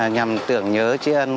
nhằm tưởng nhớ triên